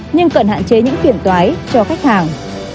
nhưng cần hạn chế những phiền toái cho khách hàng